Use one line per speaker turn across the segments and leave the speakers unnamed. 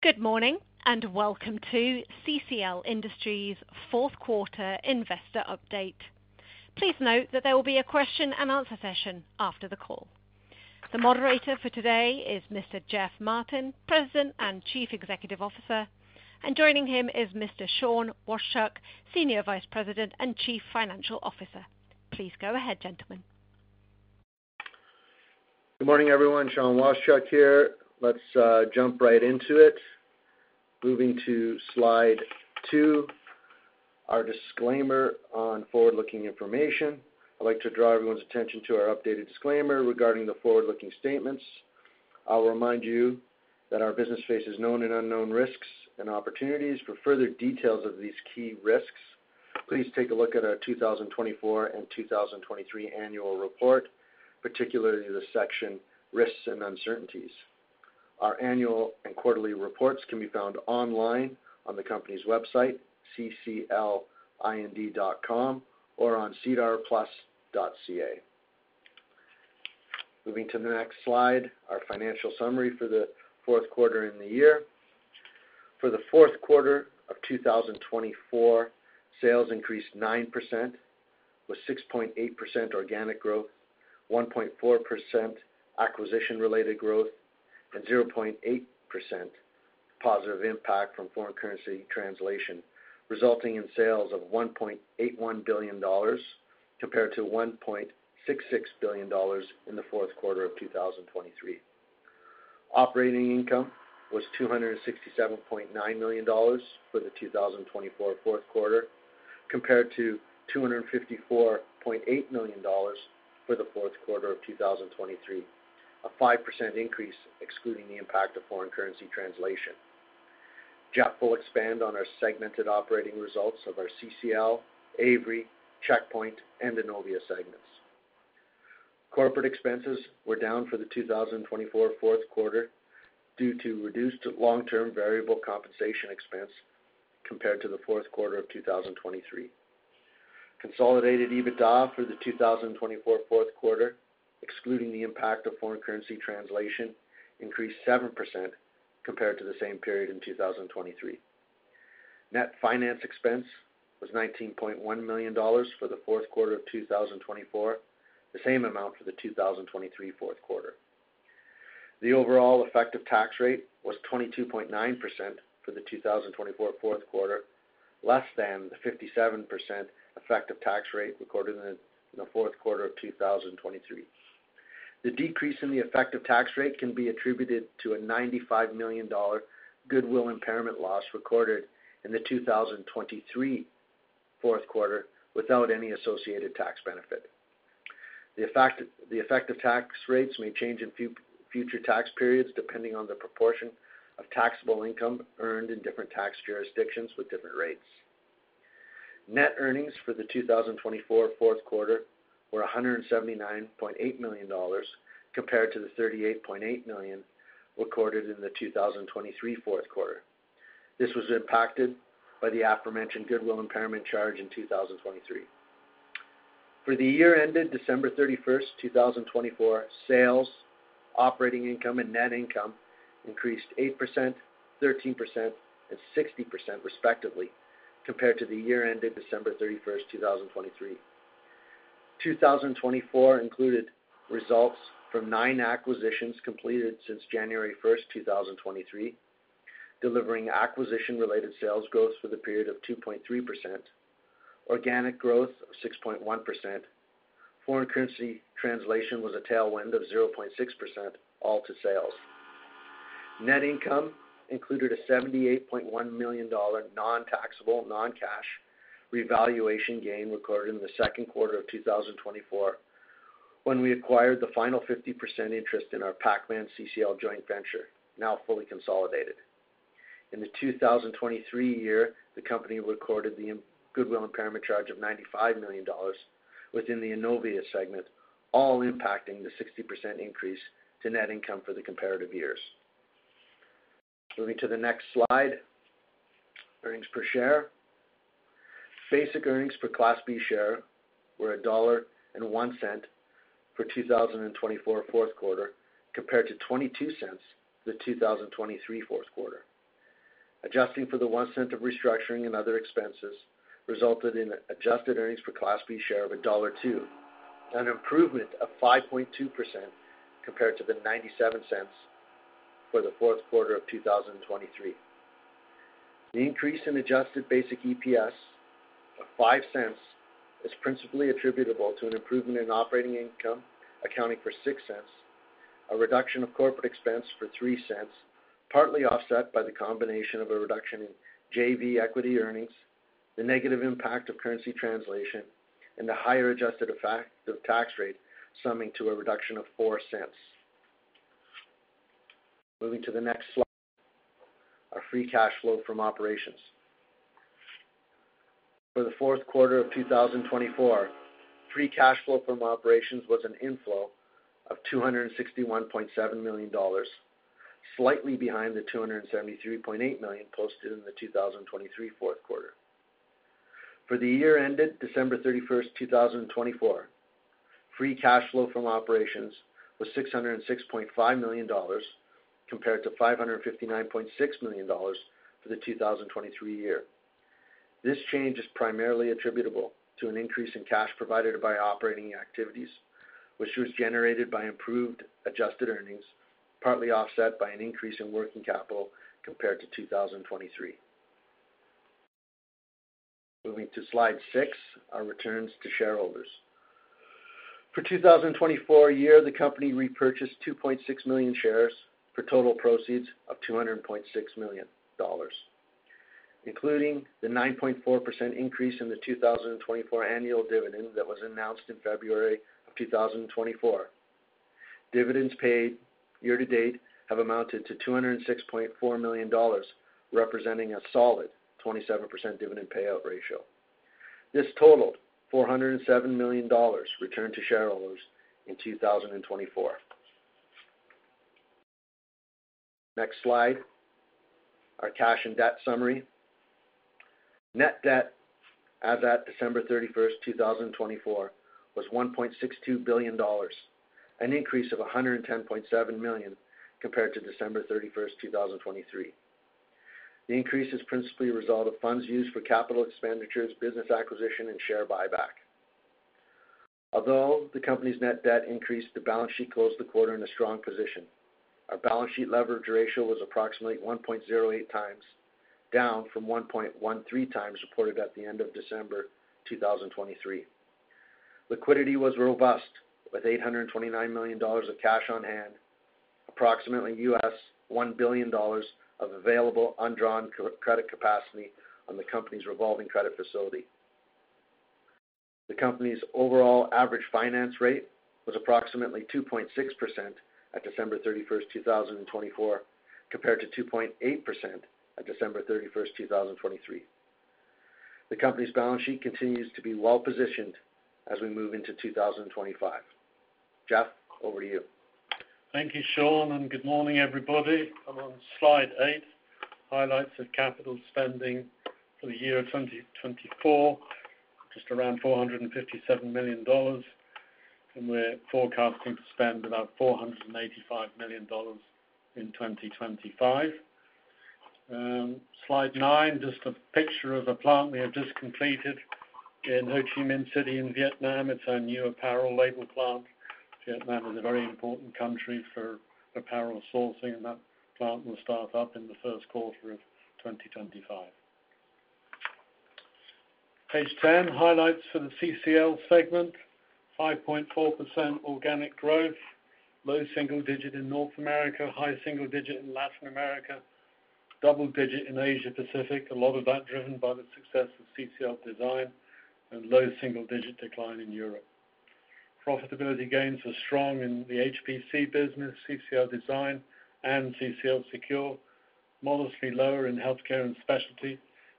Good morning and welcome to CCL Industries' Fourth Quarter Investor Update. Please note that there will be a question and answer session after the call. The moderator for today is Mr. Geoff Martin, President and Chief Executive Officer, and joining him is Mr. Sean Washchuk, Senior Vice President and Chief Financial Officer. Please go ahead, gentlemen.
Good morning, everyone. Sean Washchuk here. Let's jump right into it. Moving to slide two, our disclaimer on forward-looking information. I'd like to draw everyone's attention to our updated disclaimer regarding the forward-looking statements. I'll remind you that our business faces known and unknown risks and opportunities. For further details of these key risks, please take a look at our 2024 and 2023 annual report, particularly the section risks and uncertainties. Our annual and quarterly reports can be found online on the company's website, cclind.com, or on sedarplus.ca. Moving to the next slide, our financial summary for the Q4 in the year. For the Q4 of 2024, sales increased 9% with 6.8% organic growth, 1.4% acquisition-related growth, and 0.8% positive impact from foreign currency translation, resulting in sales of 1.81 billion dollars compared to 1.66 billion dollars in the Q4 of 2023. Operating income was $267.9 million for the 2024 Q4, compared to $254.8 million for the Q4 of 2023, a 5% increase excluding the impact of foreign currency translation. Geoff will expand on our segmented operating results of our CCL, Avery, Checkpoint, and Innovia segments. Corporate expenses were down for the 2024 Q4 due to reduced long-term variable compensation expense compared to the Q4 of 2023. Consolidated EBITDA for the 2024 Q4, excluding the impact of foreign currency translation, increased 7% compared to the same period in 2023. Net finance expense was $19.1 million for the Q4 of 2024, the same amount for the 2023 Q4. The overall effective tax rate was 22.9% for the 2024 Q4, less than the 57% effective tax rate recorded in the Q4 of 2023. The decrease in the effective tax rate can be attributed to a 95 million dollar goodwill impairment loss recorded in the 2023 Q4 without any associated tax benefit. The effective tax rates may change in future tax periods depending on the proportion of taxable income earned in different tax jurisdictions with different rates. Net earnings for the 2024 Q4 were 179.8 million dollars compared to the 38.8 million recorded in the 2023 Q4. This was impacted by the aforementioned goodwill impairment charge in 2023. For the year ended December 31st, 2024, sales, operating income, and net income increased 8%, 13%, and 60% respectively compared to the year ended December 31st, 2023. 2024 included results from nine acquisitions completed since January 1st, 2023, delivering acquisition-related sales growth for the period of 2.3%, organic growth of 6.1%, foreign currency translation was a tailwind of 0.6%, all to sales. Net income included a $78.1 million non-taxable, non-cash revaluation gain recorded in the Q2 of 2024 when we acquired the final 50% interest in our Pacman-CCL joint venture, now fully consolidated. In the 2023 year, the company recorded the goodwill impairment charge of $95 million within the Innovia segment, all impacting the 60% increase to net income for the comparative years. Moving to the next slide, earnings per share. Basic earnings per Class B share were $1.01 for 2024 Q4 compared to $0.22 for the 2023 Q4. Adjusting for the $0.01 of restructuring and other expenses resulted in adjusted earnings per Class B share of $1.02, an improvement of 5.2% compared to the $0.97 for the Q4 of 2023. The increase in adjusted basic EPS of 0.05 is principally attributable to an improvement in operating income accounting for 0.06, a reduction of corporate expense for 0.03, partly offset by the combination of a reduction in JV equity earnings, the negative impact of currency translation, and the higher adjusted effective tax rate summing to a reduction of 0.04. Moving to the next slide, our free cash flow from operations. For the Q4 of 2024, free cash flow from operations was an inflow of 261.7 million dollars, slightly behind the 273.8 million posted in the 2023 Q4. For the year ended December 31st, 2024, free cash flow from operations was 606.5 million dollars compared to 559.6 million dollars for the 2023 year. This change is primarily attributable to an increase in cash provided by operating activities, which was generated by improved adjusted earnings, partly offset by an increase in working capital compared to 2023. Moving to slide six, our returns to shareholders. For the 2024 year, the company repurchased 2.6 million shares for total proceeds of 200.6 million dollars, including the 9.4% increase in the 2024 annual dividend that was announced in February of 2024. Dividends paid year to date have amounted to 206.4 million dollars, representing a solid 27% dividend payout ratio. This totaled 407 million dollars returned to shareholders in 2024. Next slide, our cash and debt summary. Net debt as at December 31st, 2024, was 1.62 billion dollars, an increase of 110.7 million compared to December 31st, 2023. The increase is principally a result of funds used for capital expenditures, business acquisition, and share buyback. Although the company's net debt increased, the balance sheet closed the quarter in a strong position. Our balance sheet leverage ratio was approximately 1.08 times, down from 1.13 times reported at the end of December 2023. Liquidity was robust, with 829 million dollars of cash on hand, approximately $1 billion of available undrawn credit capacity on the company's revolving credit facility. The company's overall average finance rate was approximately 2.6% at December 31st, 2024, compared to 2.8% at December 31st, 2023. The company's balance sheet continues to be well-positioned as we move into 2025. Geoff, over to you.
Thank you, Sean, and good morning, everybody. On slide eight, highlights of capital spending for the year of 2024, just around 457 million dollars, and we're forecasting to spend about 485 million dollars in 2025. Slide nine, just a picture of a plant we have just completed in Ho Chi Minh City in Vietnam. It's our new apparel label plant. Vietnam is a very important country for apparel sourcing, and that plant will start up in the Q1 of 2025. Page 10, highlights for the CCL segment: 5.4% organic growth, low single digit in North America, high single digit in Latin America, double digit in Asia-Pacific, a lot of that driven by the success of CCL Design and low single digit decline in Europe. Profitability gains were strong in the HPC business, CCL Design, and CCL Secure, modestly lower in healthcare and specialty,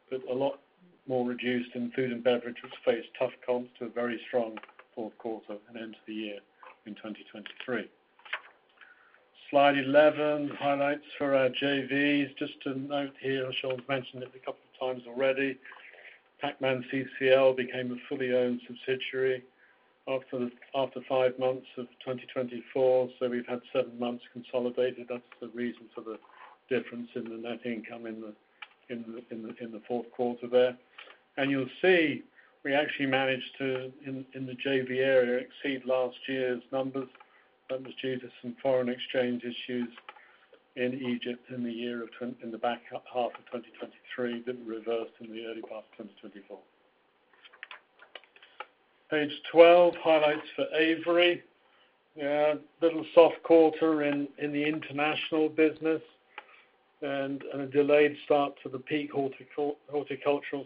but a lot more reduced in food and beverage, which faced tough comps to a very strong Q4 and end of the year in 2023. Slide 11, highlights for our JVs. Just a note here, Sean's mentioned it a couple of times already. Pacman-CCL became a fully owned subsidiary after five months of 2024, so we've had seven months consolidated. That's the reason for the difference in the net income in the Q4 there. And you'll see we actually managed to, in the JV area, exceed last year's numbers, that was due to some foreign exchange issues in Egypt in the back half of 2023 that were reversed in the early part of 2024. Page 12, highlights for Avery. A little soft quarter in the international business and a delayed start to the peak horticultural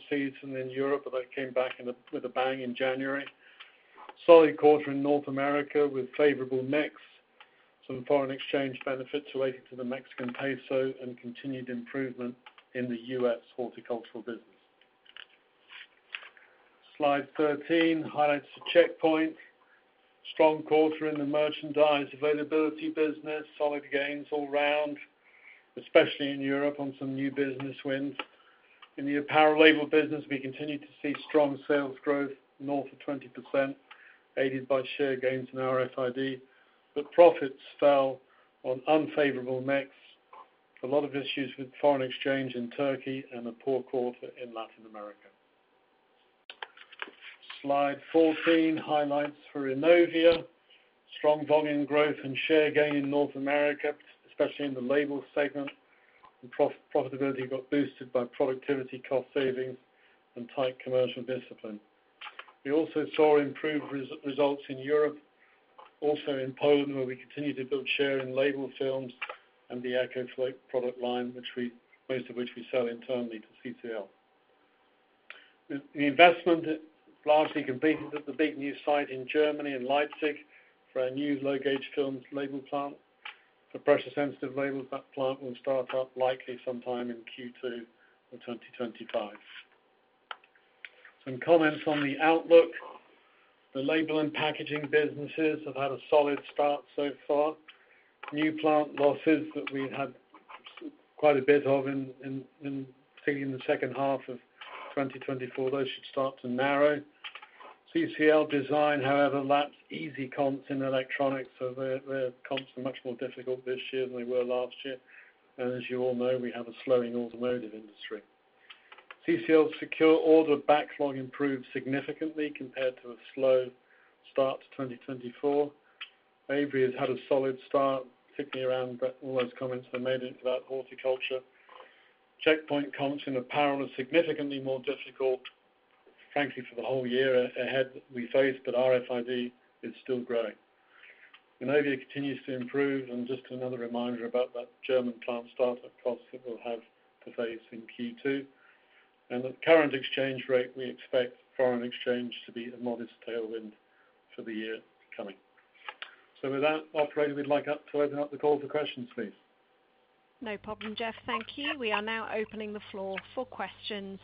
season in Europe, but that came back with a bang in January. Solid quarter in North America with favorable mix, some foreign exchange benefits related to the Mexican peso and continued improvement in the U.S. horticultural business. Slide 13, highlights for Checkpoint. Strong quarter in the merchandise availability business, solid gains all round, especially in Europe on some new business wins. In the apparel label business, we continued to see strong sales growth, north of 20%, aided by share gains in our RFID, but profits fell on unfavorable mix, a lot of issues with foreign exchange in Turkey and a poor quarter in Latin America. Slide 14, highlights for Innovia. Strong volume growth and share gain in North America, especially in the label segment, and profitability got boosted by productivity, cost savings, and tight commercial discipline. We also saw improved results in Europe, also in Poland, where we continue to build share in label films and the EcoFloat product line, most of which we sell internally to CCL. The investment largely completed at the big new site in Germany in Leipzig for our new low-gauge films label plant. The pressure-sensitive label plant will start up likely sometime in Q2 of 2025. Some comments on the outlook. The label and packaging businesses have had a solid start so far. New plant losses that we had quite a bit of, particularly in the H2 of 2024, those should start to narrow. CCL Design, however, laps easy comps in electronics, so their comps are much more difficult this year than they were last year. And as you all know, we have a slowing automotive industry. CCL Secure order backlog improved significantly compared to a slow start to 2024. Avery has had a solid start, particularly around all those comments they made about horticulture. Checkpoint comps in apparel are significantly more difficult, frankly, for the whole year ahead that we face, but our RFID is still growing. Innovia continues to improve, and just another reminder about that German plant startup cost that we'll have to face in Q2. And the current exchange rate, we expect foreign exchange to be a modest tailwind for the year coming. So with that, operator, we'd like to open up the call for questions, please.
No problem, Geoff. Thank you. We are now opening the floor for questions.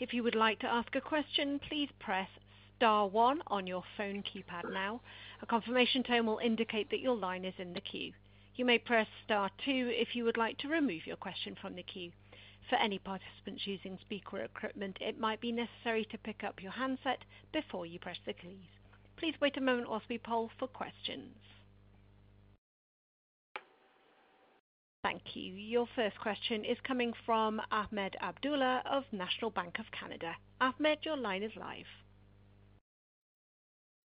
If you would like to ask a question, please press star one on your phone keypad now. A confirmation tone will indicate that your line is in the queue. You may press star two if you would like to remove your question from the queue. For any participants using speaker equipment, it might be necessary to pick up your handset before you press the keys. Please wait a moment while we poll for questions. Thank you. Your first question is coming from Ahmed Abdullah of National Bank of Canada. Ahmed, your line is live.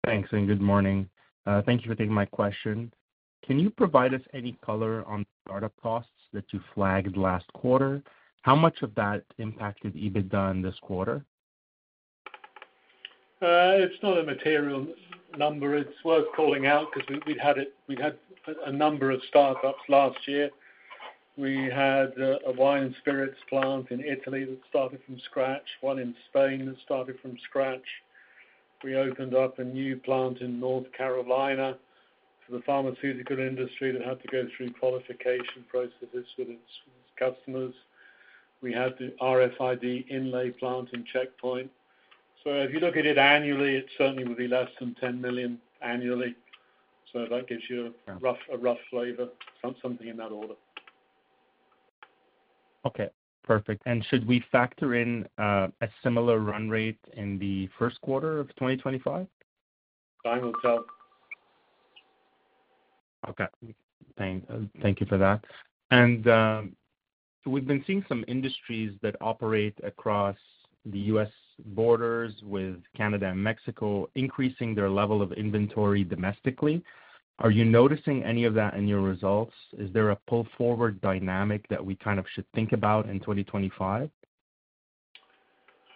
Thanks, and good morning. Thank you for taking my question. Can you provide us any color on startup costs that you flagged last quarter? How much of that impacted EBITDA in this quarter?
It's not a material number. It's worth calling out because we've had a number of startups last year. We had a wine and spirits plant in Italy that started from scratch, one in Spain that started from scratch. We opened up a new plant in North Carolina for the pharmaceutical industry that had to go through qualification processes with its customers. We had the RFID inlay plant in Checkpoint. So if you look at it annually, it certainly would be less than $10 million annually. So that gives you a rough flavor, something in that order.
Okay. Perfect. And should we factor in a similar run rate in the Q1 of 2025?
Time will tell.
Okay. Thank you for that. And we've been seeing some industries that operate across the U.S. borders with Canada and Mexico increasing their level of inventory domestically. Are you noticing any of that in your results? Is there a pull-forward dynamic that we kind of should think about in 2025?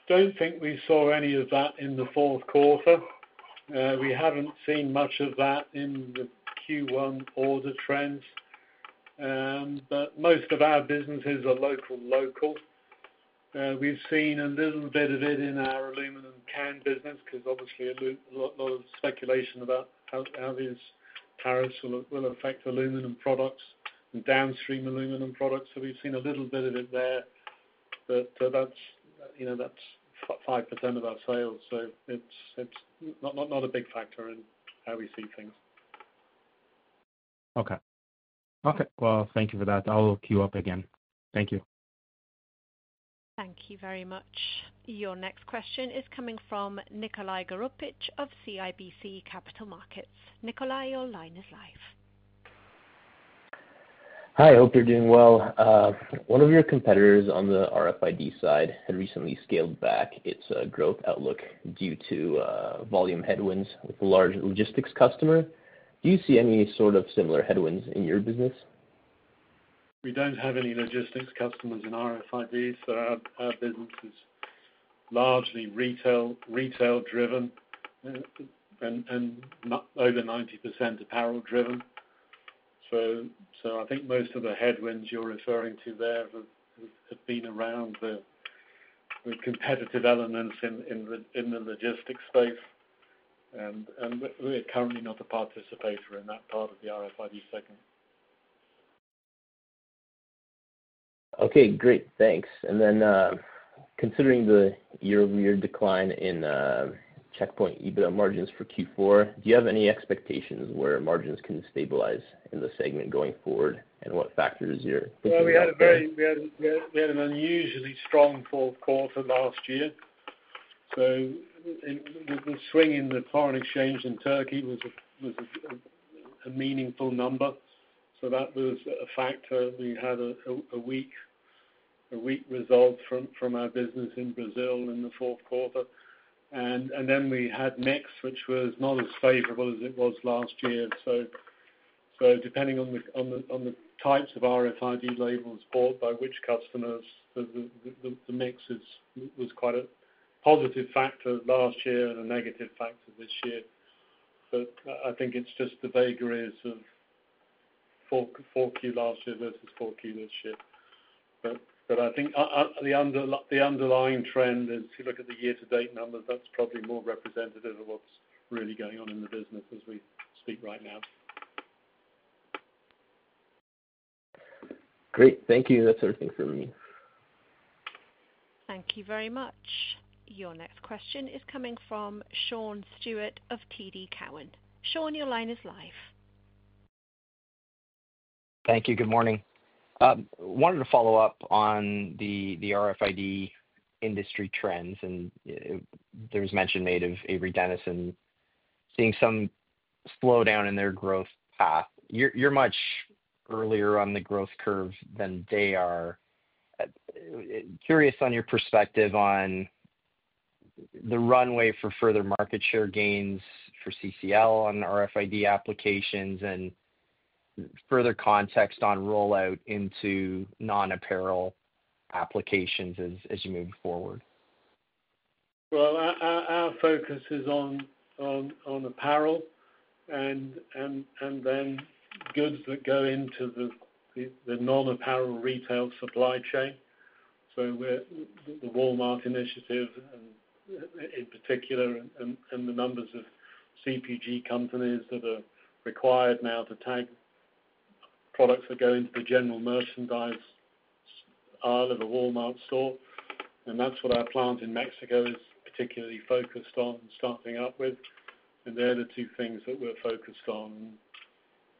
Don't think we saw any of that in the Q4. We haven't seen much of that in the Q1 order trends, but most of our businesses are local-local. We've seen a little bit of it in our aluminum can business because, obviously, a lot of speculation about how these tariffs will affect aluminum products and downstream aluminum products. So we've seen a little bit of it there, but that's 5% of our sales. So it's not a big factor in how we see things.
Okay. Okay. Well, thank you for that. I'll queue up again. Thank you.
Thank you very much. Your next question is coming from Nikolai Goroupitch of CIBC Capital Markets. Nikolai, your line is live.
Hi, I hope you're doing well. One of your competitors on the RFID side had recently scaled back its growth outlook due to volume headwinds with a large logistics customer. Do you see any sort of similar headwinds in your business?
We don't have any logistics customers in RFID, so our business is largely retail-driven and over 90% apparel-driven. So I think most of the headwinds you're referring to there have been around the competitive elements in the logistics space, and we're currently not a participator in that part of the RFID segment.
Okay. Great. Thanks. And then considering your decline in Checkpoint EBITDA margins for Q4, do you have any expectations where margins can stabilize in the segment going forward, and what factors you're thinking about?
We had an unusually strong Q4 last year. So the swing in the foreign exchange in Turkey was a meaningful number. So that was a factor. We had a weak result from our business in Brazil in the Q4. And then we had mix, which was not as favorable as it was last year. So depending on the types of RFID labels bought by which customers, the mix was quite a positive factor last year and a negative factor this year. But I think it's just the vagaries of 4Q last year versus 4Q this year. But I think the underlying trend is, if you look at the year-to-date numbers, that's probably more representative of what's really going on in the business as we speak right now.
Great. Thank you. That's everything from me.
Thank you very much. Your next question is coming from Sean Steuart of TD Cowen. Sean, your line is live.
Thank you. Good morning. Wanted to follow up on the RFID industry trends, and there was mention made of Avery Dennison, seeing some slowdown in their growth path. You're much earlier on the growth curve than they are. Curious on your perspective on the runway for further market share gains for CCL on RFID applications and further context on rollout into non-apparel applications as you move forward?
Our focus is on apparel and then goods that go into the non-apparel retail supply chain. So the Walmart initiative in particular and the numbers of CPG companies that are required now to tag products that go into the general merchandise aisle of a Walmart store. And that's what our plant in Mexico is particularly focused on starting up with. And they're the two things that we're focused on.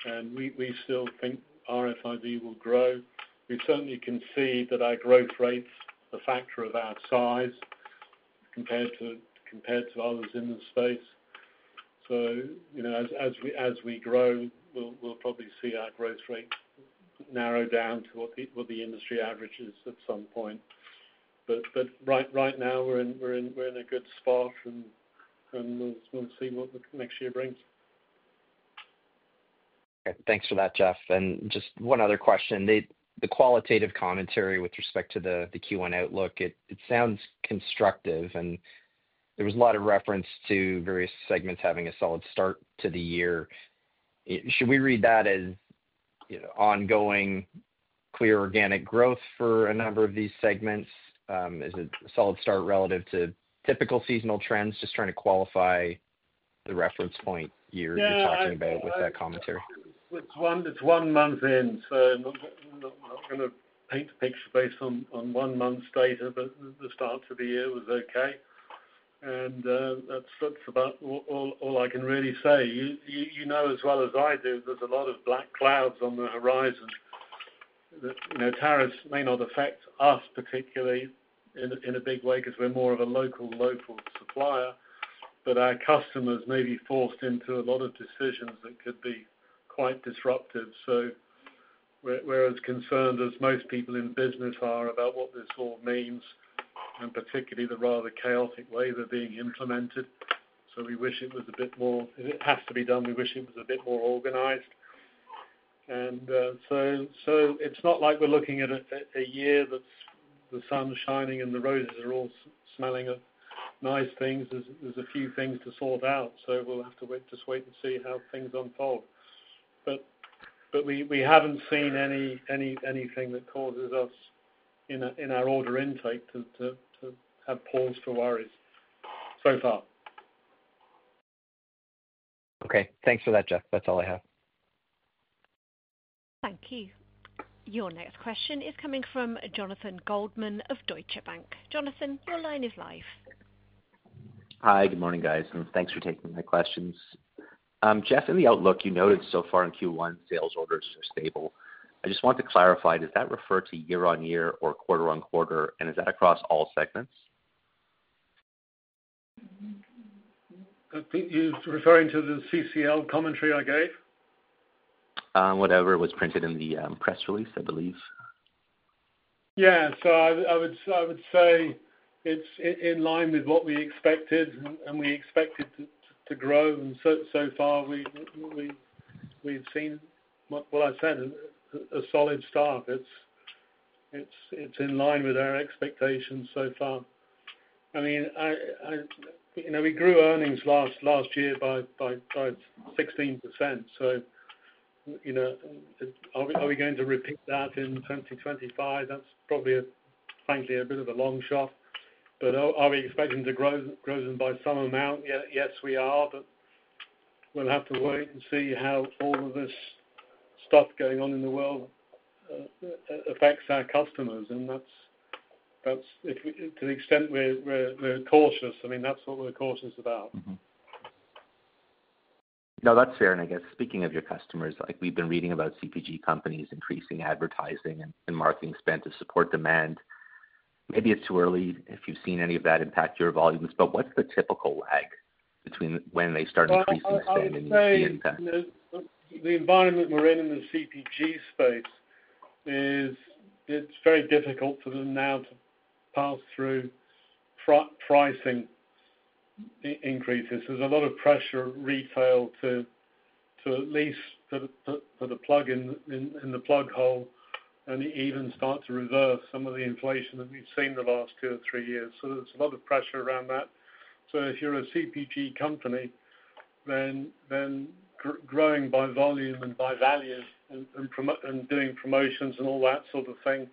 And we still think RFID will grow. We certainly can see that our growth rate's a factor of our size compared to others in the space. So as we grow, we'll probably see our growth rate narrow down to what the industry average is at some point. But right now, we're in a good spot, and we'll see what next year brings.
Okay. Thanks for that, Geoff, and just one other question. The qualitative commentary with respect to the Q1 outlook, it sounds constructive, and there was a lot of reference to various segments having a solid start to the year. Should we read that as ongoing clear organic growth for a number of these segments? Is it a solid start relative to typical seasonal trends? Just trying to qualify the reference point year you're talking about with that commentary.
It's one month in, so I'm not going to paint a picture based on one month's data, but the start to the year was okay, and that's about all I can really say. You know as well as I do, there's a lot of black clouds on the horizon. Tariffs may not affect us particularly in a big way because we're more of a local-local supplier, but our customers may be forced into a lot of decisions that could be quite disruptive, so we're as concerned as most people in business are about what this all means, and particularly the rather chaotic way they're being implemented, so we wish it was a bit more, it has to be done, we wish it was a bit more organized, and so it's not like we're looking at a year that the sun's shining and the roses are all smelling of nice things. There's a few things to sort out, so we'll have to just wait and see how things unfold. But we haven't seen anything that causes us in our order intake to have pause for worries so far.
Okay. Thanks for that, Geoff. That's all I have.
Thank you. Your next question is coming from Jonathan Goldman of Deutsche Bank. Jonathan, your line is live. Hi. Good morning, guys. And thanks for taking my questions. Geoff, in the outlook, you noted so far in Q1, sales orders are stable. I just want to clarify, does that refer to year-on-year or quarter-on-quarter, and is that across all segments?
You're referring to the CCL commentary I gave? Whatever was printed in the press release, I believe. Yeah. So I would say it's in line with what we expected, and we expected to grow. And so far, we've seen, well, I said, a solid start. It's in line with our expectations so far. I mean, we grew earnings last year by 16%. So are we going to repeat that in 2025? That's probably, frankly, a bit of a long shot. But are we expecting to grow them by some amount? Yes, we are, but we'll have to wait and see how all of this stuff going on in the world affects our customers. And to the extent we're cautious, I mean, that's what we're cautious about. No, that's fair. And I guess, speaking of your customers, we've been reading about CPG companies increasing advertising and marketing spend to support demand. Maybe it's too early if you've seen any of that impact your volumes, but what's the typical lag between when they start increasing spend and the impact? The environment we're in in the CPG space is, it's very difficult for them now to pass through pricing increases. There's a lot of pressure on retail to at least put a plug in the plug hole and even start to reverse some of the inflation that we've seen the last two or three years. So there's a lot of pressure around that. So if you're a CPG company, then growing by volume and by value and doing promotions and all that sort of thing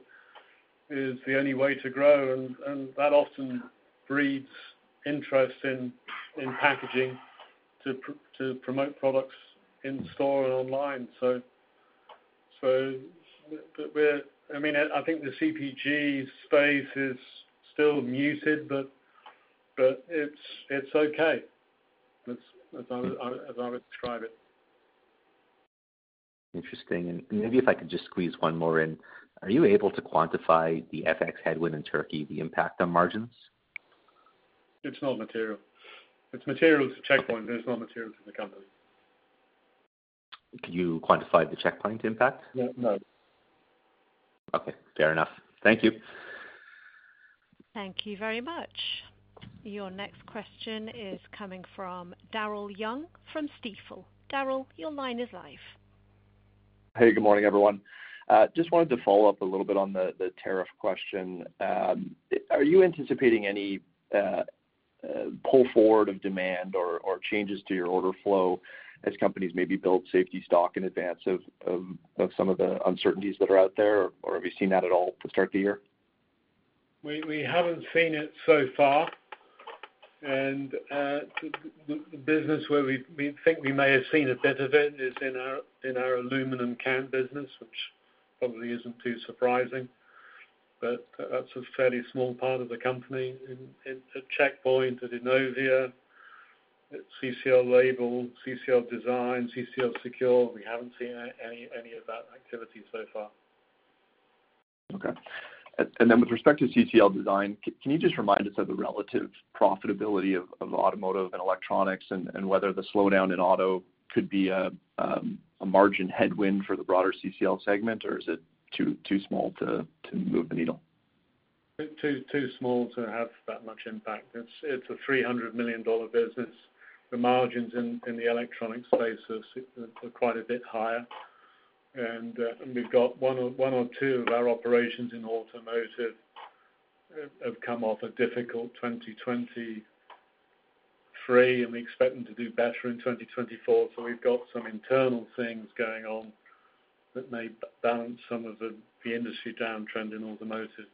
is the only way to grow. And that often breeds interest in packaging to promote products in store and online. So I mean, I think the CPG space is still muted, but it's okay, as I would describe it. Interesting. And maybe if I could just squeeze one more in, are you able to quantify the FX headwind in Turkey, the impact on margins? It's not material. It's material to Checkpoint, but it's not material to the company. Could you quantify the Checkpoint impact? No. Okay. Fair enough. Thank you.
Thank you very much. Your next question is coming from Daryl Young from Stifel. Daryl, your line is live.
Hey, good morning, everyone. Just wanted to follow up a little bit on the tariff question. Are you anticipating any pull forward of demand or changes to your order flow as companies maybe build safety stock in advance of some of the uncertainties that are out there, or have you seen that at all to start the year?
We haven't seen it so far. And the business where we think we may have seen a bit of it is in our aluminum can business, which probably isn't too surprising. But that's a fairly small part of the company. At Checkpoint, at Innovia, at CCL Label, CCL Design, CCL Secure, we haven't seen any of that activity so far.
Okay. And then with respect to CCL Design, can you just remind us of the relative profitability of automotive and electronics and whether the slowdown in auto could be a margin headwind for the broader CCL segment, or is it too small to move the needle?
Too small to have that much impact. It's a $300 million business. The margins in the electronics space are quite a bit higher. And we've got one or two of our operations in automotive have come off a difficult 2023, and we expect them to do better in 2024. So we've got some internal things going on that may balance some of the industry downtrend in automotive.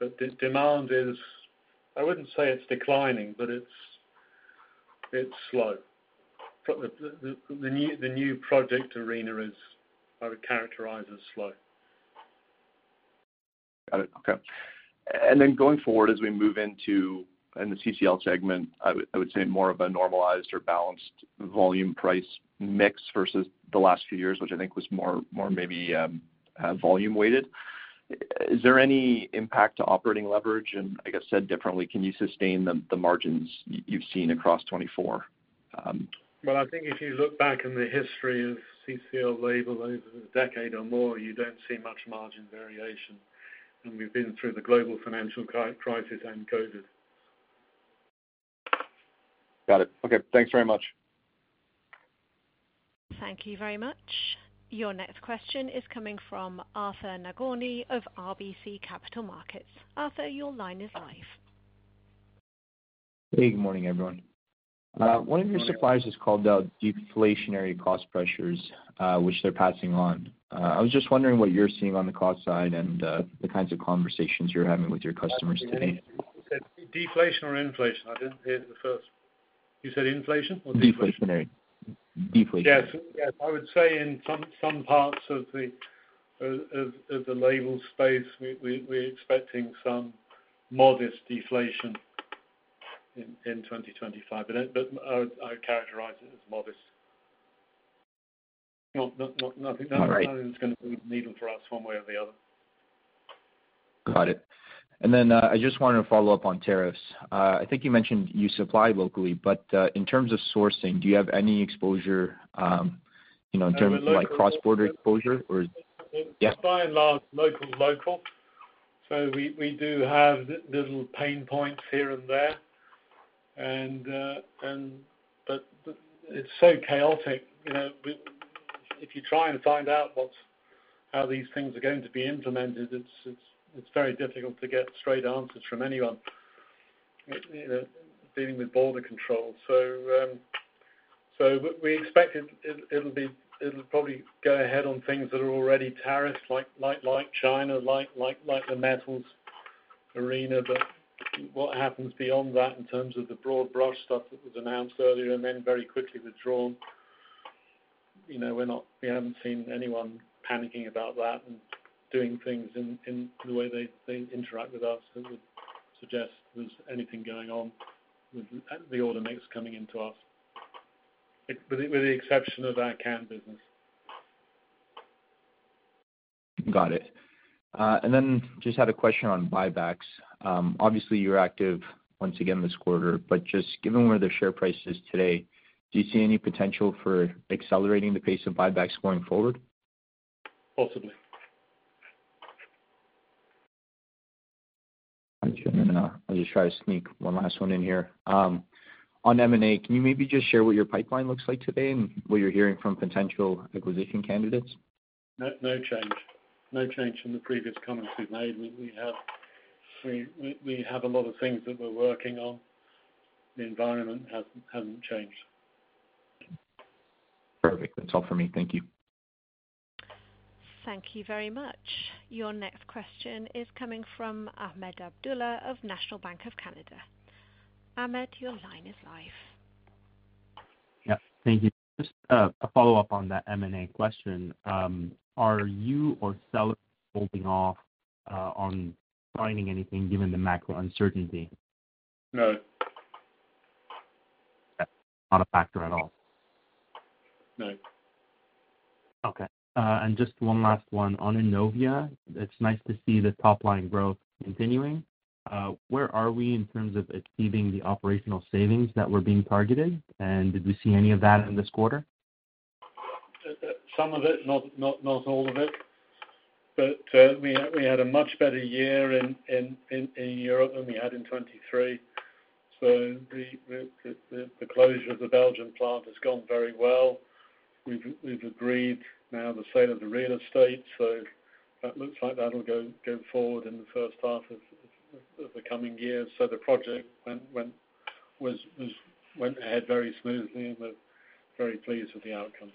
But demand is. I wouldn't say it's declining, but it's slow. The new project arena is, I would characterize, as slow.
Got it. Okay. And then going forward, as we move into the CCL segment, I would say more of a normalized or balanced volume price mix versus the last few years, which I think was more maybe volume-weighted. Is there any impact to operating leverage? And I guess said differently, can you sustain the margins you've seen across 2024?
I think if you look back in the history of CCL Label over a decade or more, you don't see much margin variation, and we've been through the global financial crisis and COVID.
Got it. Okay. Thanks very much.
Thank you very much. Your next question is coming from Arthur Nagorny of RBC Capital Markets. Arthur, your line is live.
Hey, good morning, everyone. One of your suppliers has called out deflationary cost pressures, which they're passing on. I was just wondering what you're seeing on the cost side and the kinds of conversations you're having with your customers today.
Deflation or inflation? I didn't hear it at first. You said inflation or deflation?
Deflationary. Deflation.
Yes. Yes. I would say in some parts of the label space, we're expecting some modest deflation in 2025. But I would characterize it as modest. Nothing's going to move the needle for us one way or the other.
Got it. And then I just wanted to follow up on tariffs. I think you mentioned you supply locally, but in terms of sourcing, do you have any exposure in terms of cross-border exposure or?
We supply in large local. So we do have little pain points here and there. But it's so chaotic. If you're trying to find out how these things are going to be implemented, it's very difficult to get straight answers from anyone dealing with border control. So we expect it'll probably go ahead on things that are already tariffed, like China, like the metals arena. But what happens beyond that in terms of the broad brush stuff that was announced earlier and then very quickly withdrawn, we haven't seen anyone panicking about that and doing things in the way they interact with us that would suggest there's anything going on with the order mix coming into us, with the exception of our can business.
Got it and then just had a question on buybacks. Obviously, you're active once again this quarter, but just given where the share price is today, do you see any potential for accelerating the pace of buybacks going forward?
Possibly.
Gotcha. And then I'll just try to sneak one last one in here. On M&A, can you maybe just share what your pipeline looks like today and what you're hearing from potential acquisition candidates?
No change. No change from the previous comments we've made. We have a lot of things that we're working on. The environment hasn't changed.
Perfect. That's all for me. Thank you.
Thank you very much. Your next question is coming from Ahmed Abdullah of National Bank of Canada. Ahmed, your line is live.
Yeah. Thank you. Just a follow-up on that M&A question. Are you or sellers holding off on signing anything given the macro uncertainty?
No.
Okay. Not a factor at all?
No.
Okay. And just one last one. On Innovia, it's nice to see the top-line growth continuing. Where are we in terms of achieving the operational savings that were being targeted, and did we see any of that in this quarter?
Some of it, not all of it, but we had a much better year in Europe than we had in 2023, so the closure of the Belgian plant has gone very well. We've agreed now the sale of the real estate, so that looks like that'll go forward in the H1 of the coming years, so the project went ahead very smoothly, and we're very pleased with the outcome.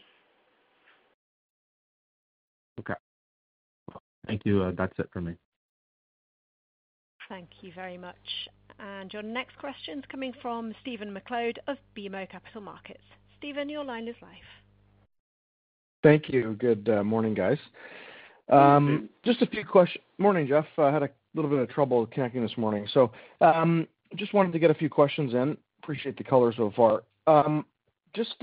Okay. Thank you. That's it for me.
Thank you very much. And your next question's coming from Stephen MacLeod of BMO Capital Markets. Stephen, your line is live.
Thank you. Good morning, guys. Just a few questions. Morning, Geoff. I had a little bit of trouble connecting this morning. So just wanted to get a few questions in. Appreciate the color so far. Just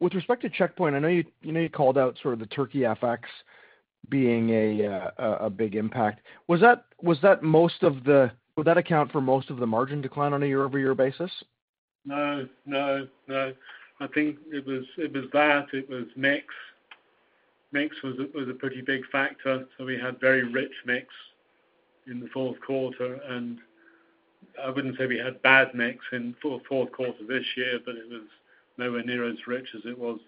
with respect to Checkpoint, I know you called out sort of the Turkey FX being a big impact. Was that most of the, would that account for most of the margin decline on a year-over-year basis?
No. No. No. I think it was that. It was mix. Mix was a pretty big factor. So we had very rich mix in the Q4. And I wouldn't say we had bad mix in the Q4 this year, but it was nowhere near as rich as it was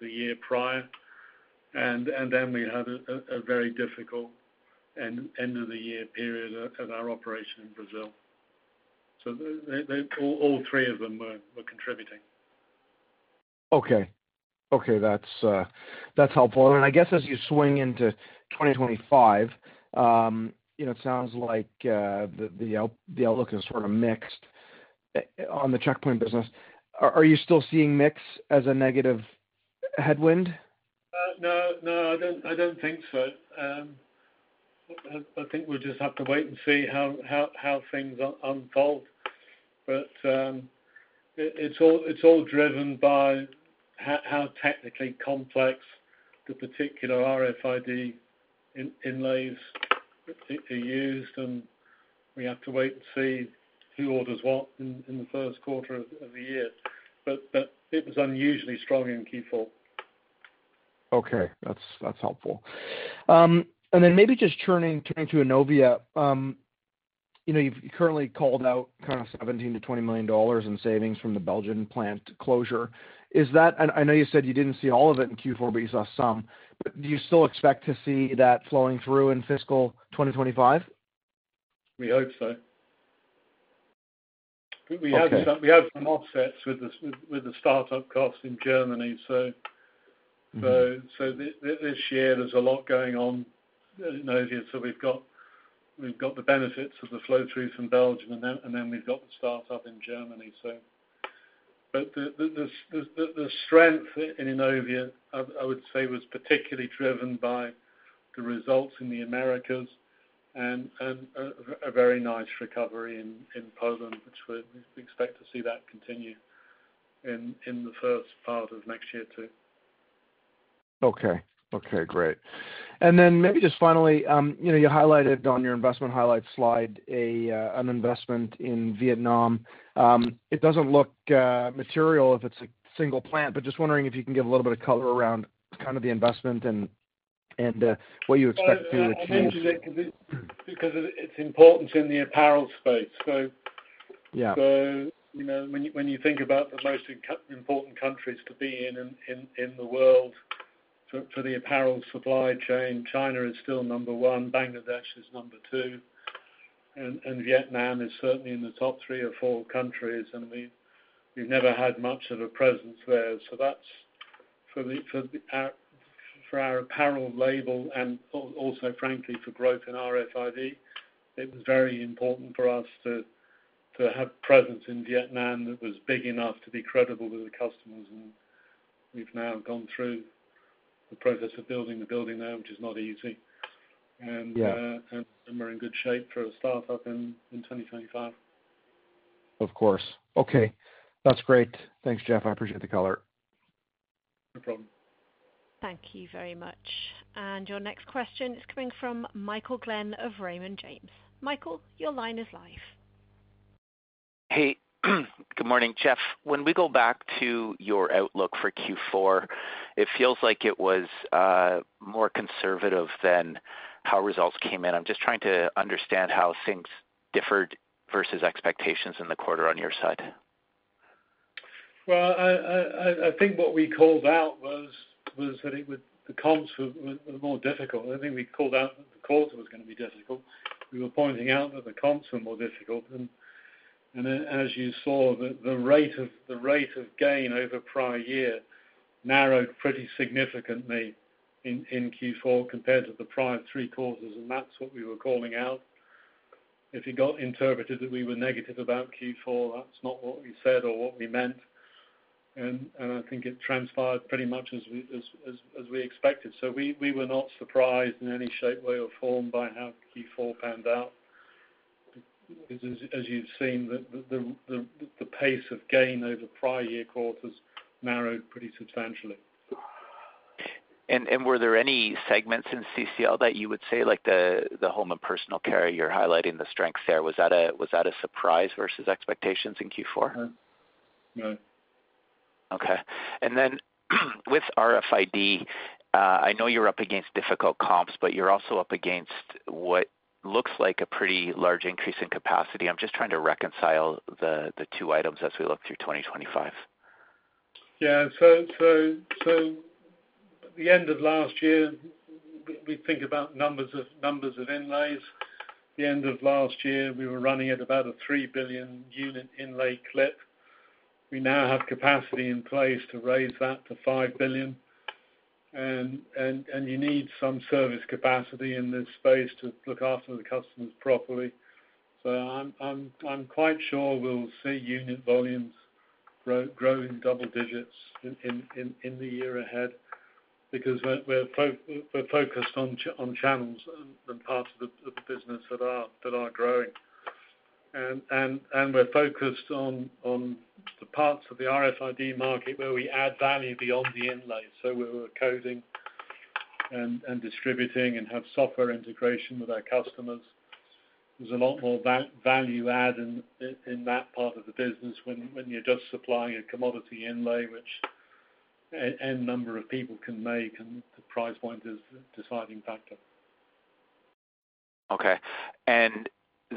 the year prior. And then we had a very difficult end-of-the-year period of our operation in Brazil. So all three of them were contributing.
Okay. Okay. That's helpful. And I guess as you swing into 2025, it sounds like the outlook is sort of mixed on the Checkpoint business. Are you still seeing mix as a negative headwind?
No. No. I don't think so. I think we'll just have to wait and see how things unfold. But it's all driven by how technically complex the particular RFID inlays are used. And we have to wait and see who orders what in the Q1 of the year. But it was unusually strong in Q4.
Okay. That's helpful. And then maybe just turning to Innovia, you've currently called out kind of $17-$20 million in savings from the Belgian plant closure. I know you said you didn't see all of it in Q4, but you saw some. But do you still expect to see that flowing through in fiscal 2025?
We hope so. We have some offsets with the startup costs in Germany. So this year, there's a lot going on in Innovia. So we've got the benefits of the flow-through from Belgium, and then we've got the startup in Germany, so. But the strength in Innovia, I would say, was particularly driven by the results in the Americas and a very nice recovery in Poland, which we expect to see that continue in the first part of next year too.
Okay. Great. And then maybe just finally, you highlighted on your investment highlights slide an investment in Vietnam. It doesn't look material if it's a single plant, but just wondering if you can give a little bit of color around kind of the investment and what you expect to achieve?
Because it's important in the apparel space. So when you think about the most important countries to be in the world for the apparel supply chain, China is still number one. Bangladesh is number two. And Vietnam is certainly in the top three or four countries. And we've never had much of a presence there. So for our apparel label and also, frankly, for growth in RFID, it was very important for us to have presence in Vietnam that was big enough to be credible with the customers. And we've now gone through the process of building the building there, which is not easy. And we're in good shape for a startup in 2025.
Of course. Okay. That's great. Thanks, Geoff. I appreciate the color.
No problem.
Thank you very much. And your next question is coming from Michael Glen of Raymond James. Michael, your line is live.
Hey. Good morning, Geoff. When we go back to your outlook for Q4, it feels like it was more conservative than how results came in. I'm just trying to understand how things differed versus expectations in the quarter on your side?
I think what we called out was that the comps were more difficult. I think we called out that the quarter was going to be difficult. We were pointing out that the comps were more difficult. As you saw, the rate of gain over prior year narrowed pretty significantly in Q4 compared to the prior three quarters. That's what we were calling out. If you got interpreted that we were negative about Q4, that's not what we said or what we meant. I think it transpired pretty much as we expected. We were not surprised in any shape, way, or form by how Q4 panned out. As you've seen, the pace of gain over prior year quarters narrowed pretty substantially.
Were there any segments in CCL that you would say, like the home and personal care, you're highlighting the strengths there? Was that a surprise versus expectations in Q4?
No. No.
Okay, and then with RFID, I know you're up against difficult comps, but you're also up against what looks like a pretty large increase in capacity. I'm just trying to reconcile the two items as we look through 2025.
Yeah. So at the end of last year, we think about numbers of inlays. At the end of last year, we were running at about a 3 billion unit inlay clip. We now have capacity in place to raise that to 5 billion. And you need some service capacity in this space to look after the customers properly. So I'm quite sure we'll see unit volumes growing double digits in the year ahead because we're focused on channels and parts of the business that are growing. And we're focused on the parts of the RFID market where we add value beyond the inlay. So we're coding and distributing and have software integration with our customers. There's a lot more value add in that part of the business when you're just supplying a commodity inlay, which any number of people can make, and the price point is a deciding factor.
Okay. And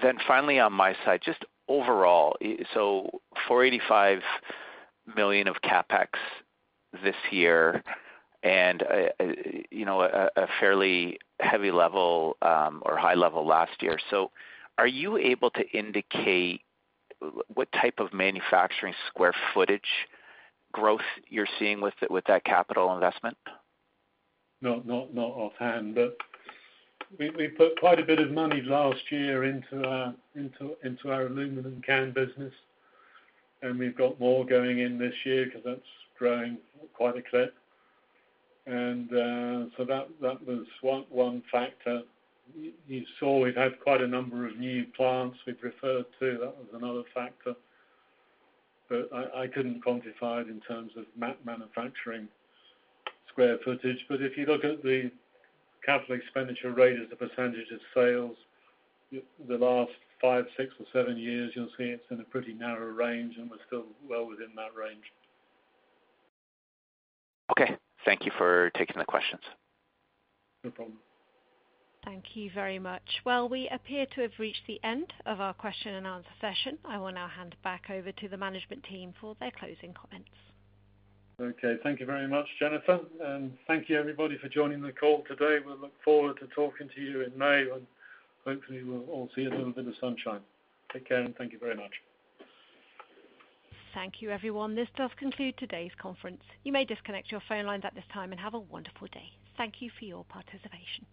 then finally on my side, just overall, so 485 million of CapEx this year and a fairly heavy level or high level last year. So are you able to indicate what type of manufacturing square footage growth you're seeing with that capital investment?
Not offhand. But we put quite a bit of money last year into our aluminum can business. And we've got more going in this year because that's growing quite a clip. And so that was one factor. You saw we've had quite a number of new plants we've referred to. That was another factor. But I couldn't quantify it in terms of manufacturing square footage. But if you look at the capital expenditure rate as a percentage of sales, the last five, six, or seven years, you'll see it's in a pretty narrow range, and we're still well within that range.
Okay. Thank you for taking the questions.
No problem.
Thank you very much. Well, we appear to have reached the end of our question and answer session. I will now hand back over to the management team for their closing comments.
Okay. Thank you very much, Jennifer. And thank you, everybody, for joining the call today. We'll look forward to talking to you in May. And hopefully, we'll all see a little bit of sunshine. Take care, and thank you very much.
Thank you, everyone. This does conclude today's conference. You may disconnect your phone lines at this time and have a wonderful day. Thank you for your participation.